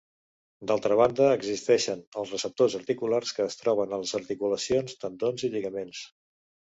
D'altra banda existeixen els receptors articulars, que es troben a les articulacions, tendons o lligaments.